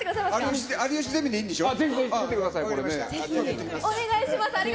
有吉ゼミでいいんでしょう。